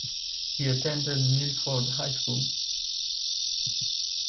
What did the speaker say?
He attended Milford High School.